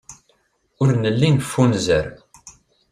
Ur nelli neffunzer.